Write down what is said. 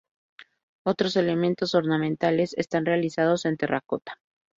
Otros elementos ornamentales están realizados en terracota.